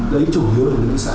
đấy chủ yếu là những cái xã